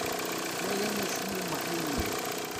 Twalamt acmumeḥ-nni?